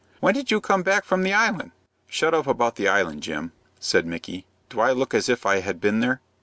"When did you come back from the Island?" "Shut up about the Island, Jim," said Micky. "Do I look as if I had been there?"